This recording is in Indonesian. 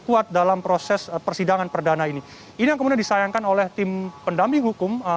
kuat dalam proses persidangan perdana ini ini yang kemudian disayangkan oleh tim pendamping hukum